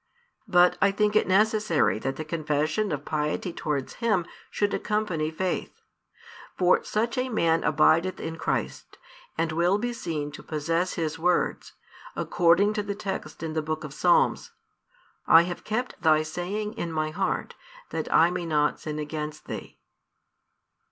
But I think it necessary that the confession of piety towards Him should accompany faith. For such a man abideth in Christ, and will be seen to possess His words, according to the text in the Book of Psalms: I have kept Thy saying in my heart, that I may not sin against Thee.